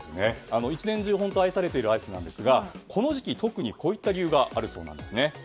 一年中愛されているアイスなんですがこの時期、特にこういった理由があるそうなんです。